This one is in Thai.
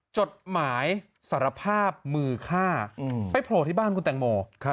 จดหมายสารภาพมือฆ่าไปโผล่ที่บ้านคุณแตงโม